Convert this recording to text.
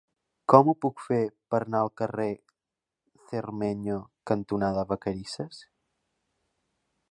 Com ho puc fer per anar al carrer Cermeño cantonada Vacarisses?